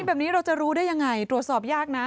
แบบนี้เราจะรู้ได้ยังไงตรวจสอบยากนะ